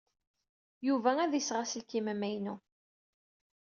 Yuba ad d-iseɣ aselkim amaynu.